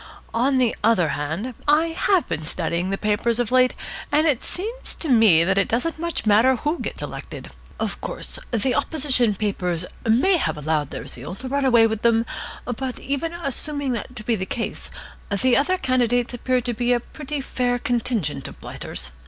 On the other hand, I have been studying the papers of late, and it seems to me that it doesn't much matter who gets elected. Of course the opposition papers may have allowed their zeal to run away with them, but even assuming that to be the case, the other candidates appear to be a pretty fair contingent of blighters.